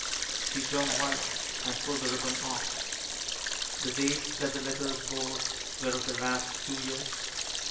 He turned white, and pulled the ribbon off. The dates that the letters bore were of the last two years.